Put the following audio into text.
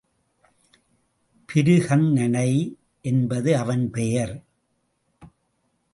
பிருகந்நளை என்பது அவன் பெயர்.